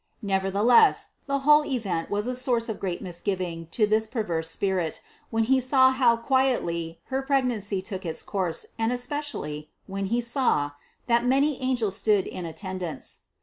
Nevertheless the whole event was a source of great misgiving to this perverse spirit, when he saw how quietly her pregnancy took its course and especially, when he saw, that many angels stood in attendance.